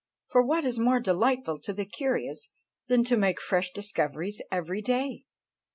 For what is more delightful to the curious than to make fresh discoveries every day?